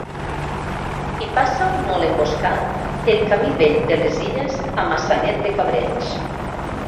Hi passa, molt emboscat, el camí vell de les Illes a Maçanet de Cabrenys.